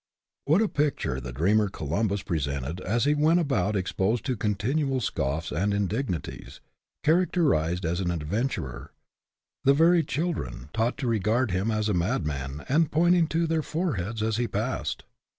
What a picture the dreamer Columbus pre sented as he went about exposed to continual scoffs and indignities, characterized as an adventurer, the very children taught to regard WORLD OWES TO DREAMERS 63 him as a madman and pointing to their fore heads as he passed!